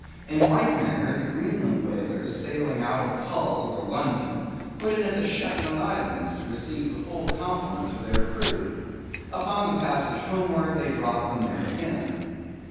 In like manner, the Greenland whalers sailing out of Hull or London, put in at the Shetland Islands, to receive the full complement of their crew. Upon the passage homewards, they drop them there again.